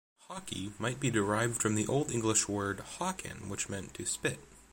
"Hockey" might be derived from the Old English word "hocken" which meant "to spit".